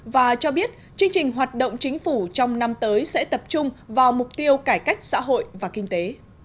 và cho biết chương trình hoạt động chính phủ trong năm tới sẽ tập trung vào mục tiêu cải cách xã hội và kinh tế